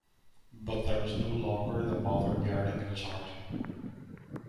But there was no longer the mother yearning in his heart.